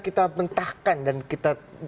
kita mentahkan dan kita